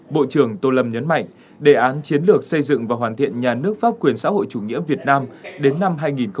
bộ trưởng tô lâm nhấn mạnh đề án chiến lược xây dựng và hoàn thiện nhà nước pháp quyền xã hội chủ nghĩa việt nam đến năm hai nghìn ba mươi